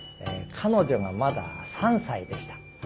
彼女がまだ３歳でした。